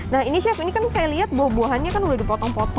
nah ini chef ini kan saya lihat buah buahannya kan udah dipotong potong